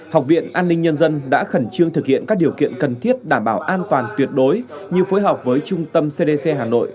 học viện an ninh nhân dân đã khẩn trương thực hiện các điều kiện cần thiết đảm bảo an toàn tuyệt đối như phối hợp với trung tâm cdc hà nội